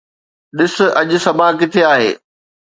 ڏس اڄ صبا ڪٿي آهي